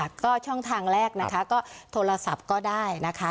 ก็ช่องทางแรกนะคะก็โทรศัพท์ก็ได้นะคะ